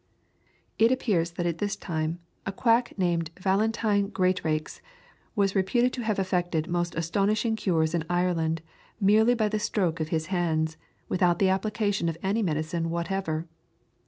It appears that at this time a quack named Valentine Greatrackes, was reputed to have effected most astonishing cures in Ireland merely by the stroke of his hands, without the application of any medicine whatever.